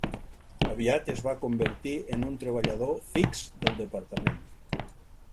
Aviat es va convertir en un treballador fix del departament.